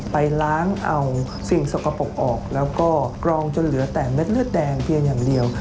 ไปล้างเอาสิ่งสกปรกออกแล้วก็กรองจนเหลือแต่เม็ดเลือดแดงเพียงอย่างเดียว